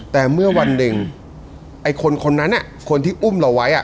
แต่เมื่อวันหนึ่งไอ้คนนั้นคนที่อุ้มเราไว้